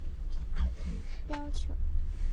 这一要求引起了国防部和外交部的强烈不满。